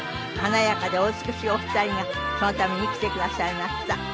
華やかでお美しいお二人がそのために来てくださいました。